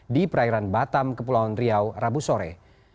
di perairan batam ke pulau riau rabu sore